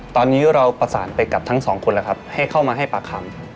ตอนนี้เราประสานไปกับทั้งสองคนแล้วครับให้เข้ามาให้ปากคำ